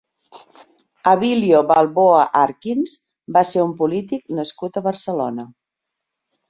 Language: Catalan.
Abilio Balboa Arkins va ser un polític nascut a Barcelona.